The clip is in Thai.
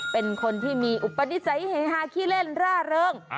เป็นคนที่มีอุปนิสัยเฮฮาขี้เล่นร่าเริง